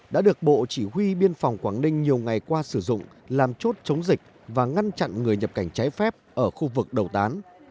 đã được bộ chỉ huy biên phòng quảng ninh nhiều ngày qua sử dụng làm chốt chống dịch và ngăn chặn người nhập cảnh trái phép ở khu vực đầu tán